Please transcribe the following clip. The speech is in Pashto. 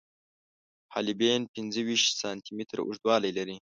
حالبین پنځه ویشت سانتي متره اوږدوالی لري.